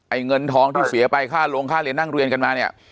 เงินทองที่เสียไปค่าโรงค่าเรียนนั่งเรียนกันมาเนี่ย